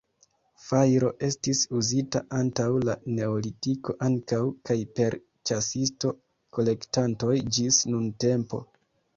Fajro estis uzita antaŭ la Neolitiko ankaŭ, kaj per ĉasisto-kolektantoj ĝis nuntempo.